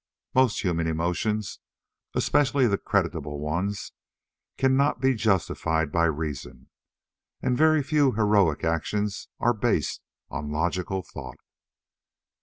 Most human emotions especially the creditable ones cannot be justified by reason, and very few heroic actions are based upon logical thought.